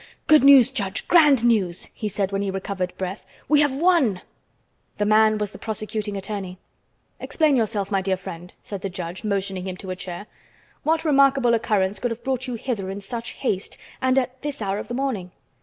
"Good news, judge, grand news!" he said when he recovered breath. "We have won!" The man was the prosecuting attorney. "Explain yourself, my dear friend," said the judge, motioning him to a chair. "What remarkable occurrence could have brought you hither in such haste and at this hour of the morning?"